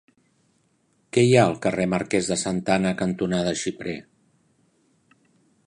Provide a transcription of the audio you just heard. Què hi ha al carrer Marquès de Santa Ana cantonada Xiprer?